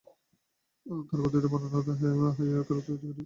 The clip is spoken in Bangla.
আর কথিত বর্ণনা মতে, হায়কালকে ঘিরে রেখেছে কুরসী।